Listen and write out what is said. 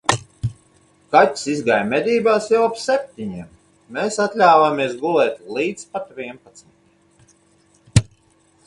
Kaķis izgāja medībās jau ap septiņiem, mēs atļāvāmies gulēt līdz pat vienpadsmitiem.